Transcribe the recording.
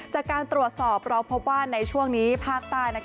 จากการตรวจสอบเราพบว่าในช่วงนี้ภาคใต้